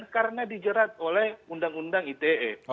dan karena dijerat oleh undang undang ite